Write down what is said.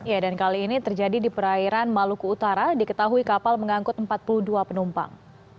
ya dan kali ini terjadi di perairan maluku utara diketahui kapal mengangkut empat puluh dua penumpang